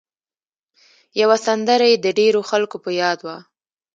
یوه سندره یې د ډېرو خلکو په یاد وه.